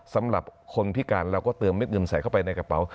สำหรับคนพิการเราก็เติมเม็ดเงินใส่เข้าไปในกระเป๋า